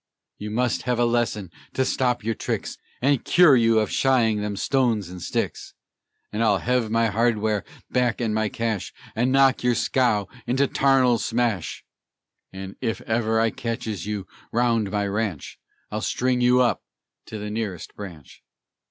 You must hev a lesson to stop your tricks, And cure you of shying them stones and sticks, And I'll hev my hardware back and my cash, And knock your scow into tarnal smash, And if ever I catches you round my ranch, I'll string you up to the nearest branch.